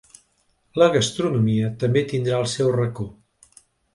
La gastronomia també tindrà el seu racó.